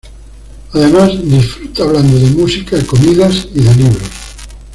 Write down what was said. Además disfruta hablando de música, comidas y de libros.